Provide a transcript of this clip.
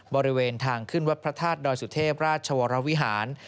บริเวณทางขึ้นวัดพระธาตุดอยสุเทพราชวรวิหาร